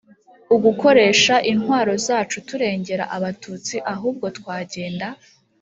ugukoresha intwaro zacu turengera abatutsi ahubwo twagenda